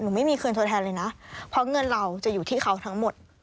ไม่มีคืนตัวแทนเลยนะเพราะเงินเราจะอยู่ที่เขาทั้งหมด